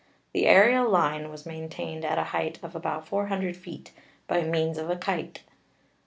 The aerial line was maintained at a height of about 400 feet by means of a kite.